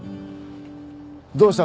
どうした？